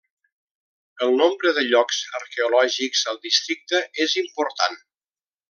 El nombre de llocs arqueològics al districte és important.